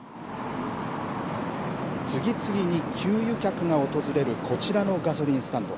次々に給油客が訪れるこちらのガソリンスタンド。